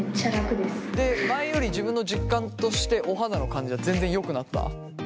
前より自分の実感としてお肌の感じが全然よくなった？